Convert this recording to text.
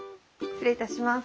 失礼いたします。